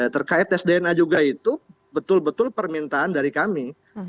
terkait tes dna juga itu betul betul permintaan dari kami